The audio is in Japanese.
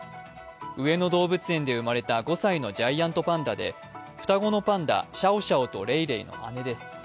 上野動物園で生まれた５歳のジャイアントパンダで双子のパンダ、シャオシャオとレイレイの姉です。